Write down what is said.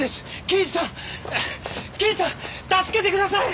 刑事さん助けてください！